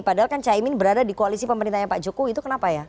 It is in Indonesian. padahal kan caimin berada di koalisi pemerintahnya pak jokowi itu kenapa ya